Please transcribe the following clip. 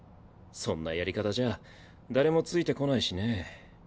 そんなやり方じゃ誰もついてこないしね。